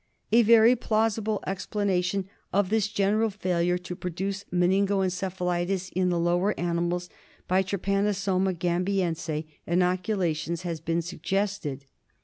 A very plausible explanation of this general failure to produce meningo encephalitis in the lower animals by Trypanosoma gambiense inoculations has been suggested.